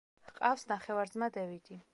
ჰყავს ნახევარძმა დევიდი.